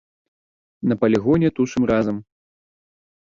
На палігоне тушым разам.